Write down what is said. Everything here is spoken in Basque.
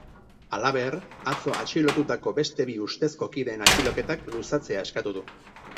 Halaber, atzo atxilotutako beste bi ustezko kideen atxiloketak luzatzea eskatu du.